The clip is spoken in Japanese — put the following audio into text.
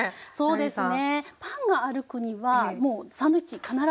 そうです。